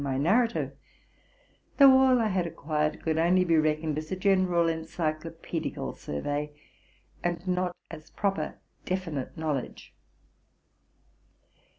299 narrative, though all I had acquired could only be reckoned as a gener ral ency clopedical survey, and not as proper definite knowledge.